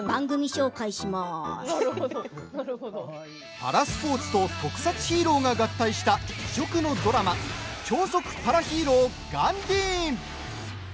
パラスポーツと特撮ヒーローが合体した異色のドラマ「超速パラヒーローガンディーン」。